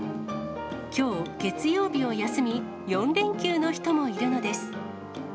きょう月曜日を休み、４連休の人もいるのです。